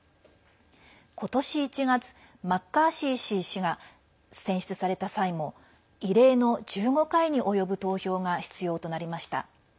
今年１月、マッカーシー議長が選出された際も異例の１５回に及ぶ投票が必要となりました。